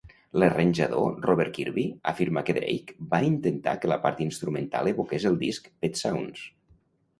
L'arranjador Robert Kirby afirma que Drake va intentar que la part instrumental evoqués el disc "Pet Sounds".